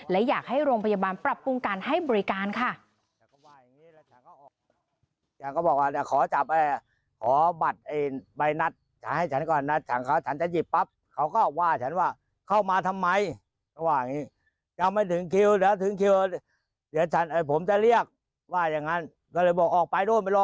และอยากให้โรงพยาบาลปรับปรุงการให้บริการค่ะ